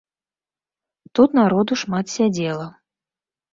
Тут народу шмат сядзела.